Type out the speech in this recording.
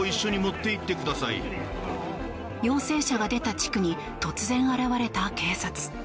陽性者が出た地区に突然現れた警察。